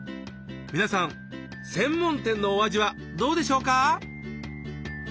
皆さん専門店のお味はどうでしょうか？